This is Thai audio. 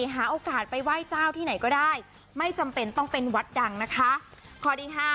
หาโอกาสไปไหว้เจ้าที่ไหนก็ได้ไม่จำเป็นต้องเป็นวัดดังนะคะ